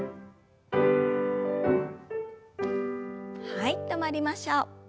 はい止まりましょう。